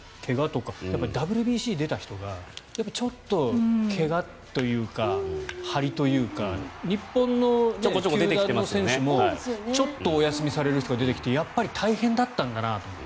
ＷＢＣに出た人がちょっと怪我というか張りというか日本の球団の選手もちょっとお休みされる人が出てきてやっぱり大変だったなと思って。